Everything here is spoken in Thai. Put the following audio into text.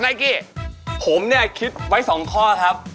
นายกี้ผมนี่คิดไว้๒ข้อครับ